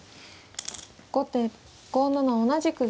後手５七同じく玉。